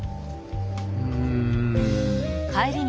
うん。